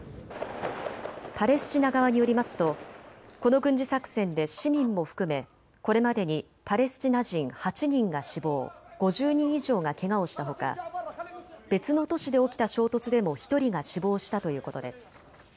パレスチナ側によりますとこの軍事作戦で市民も含めこれまでにパレスチナ人８人が死亡、５０人以上がけがをしたほか別の都市で起きた衝突でも１人が死亡したということです。